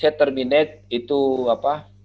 saya terminate itu apa